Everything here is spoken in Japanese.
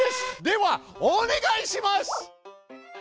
ではお願いします！